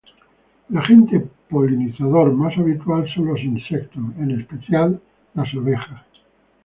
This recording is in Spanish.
El agente polinizador más habitual son los insectos, en especial abejas.